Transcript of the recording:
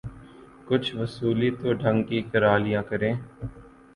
کچھ وصولی تو ڈھنگ کی کرا لیا کریں۔